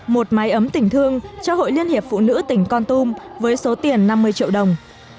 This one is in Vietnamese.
một mái ấm tỉnh thương cho hội liên hiệp phụ nữ tỉnh con tum với số tiền năm mươi triệu đồng